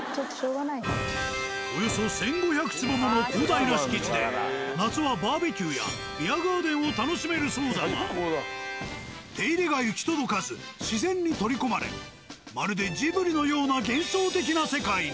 およそ１５００坪もの広大な敷地で夏はバーベキューやビアガーデンを楽しめるそうだが手入れが行き届かず自然に取り込まれまるでジブリのような幻想的な世界に。